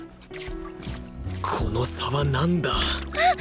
この差はなんだあっ！